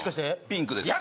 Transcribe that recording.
ピンクです